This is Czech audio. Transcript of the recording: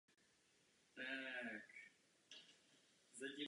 V současně době je nazýván „novým králem popu“.